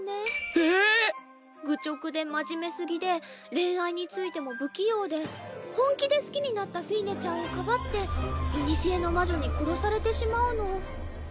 ええ⁉愚直で真面目すぎで恋愛についても不器用で本気で好きになったフィーネちゃんをかばって古の魔女に殺されてしまうの。